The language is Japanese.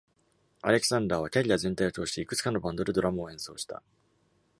アレクサンダーは、キャリア全体を通し、いくつかのバンドでドラムを演奏した。